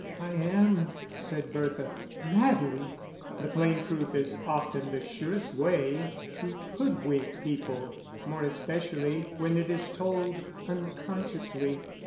"I am," said Bertha. "Madly!" The plain truth is often the surest way to hoodwink people, more especially when it is told unconsciously.